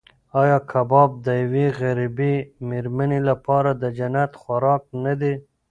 ایا کباب د یوې غریبې مېرمنې لپاره د جنت خوراک نه دی؟